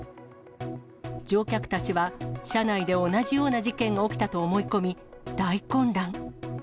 乗客たちは、車内で同じような事件が起きたと思い込み、大混乱。